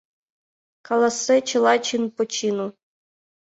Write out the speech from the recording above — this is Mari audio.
Каласе чыла чин по чину.